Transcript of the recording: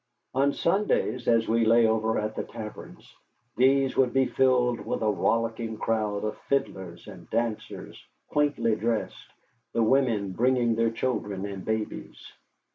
On Sundays, as we lay over at the taverns, these would be filled with a rollicking crowd of fiddlers and dancers, quaintly dressed, the women bringing their children and babies.